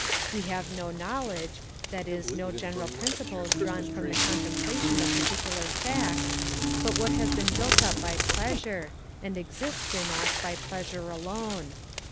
We have no knowledge, that is, no general principles drawn from the contemplation of particular facts, but what has been built up by pleasure, and exists in us by pleasure alone.